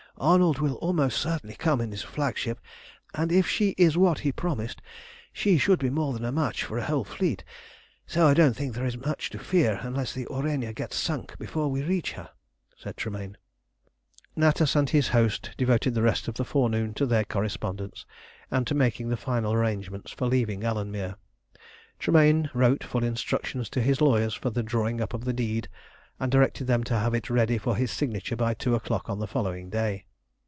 "Arnold will almost certainly come in his flagship, and if she is what he promised, she should be more than a match for a whole fleet, so I don't think there is much to fear unless the Aurania gets sunk before we reach her," said Tremayne. Natas and his host devoted the rest of the forenoon to their correspondence, and to making the final arrangements for leaving Alanmere. Tremayne wrote full instructions to his lawyers for the drawing up of the deed, and directed them to have it ready for his signature by two o'clock on the following day.